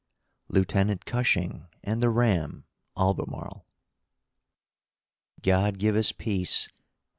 LIEUTENANT CUSHING AND THE RAM "ALBEMARLE" God give us peace!